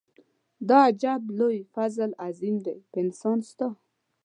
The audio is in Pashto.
دا عجب لوی فضل عظيم دی په انسان ستا.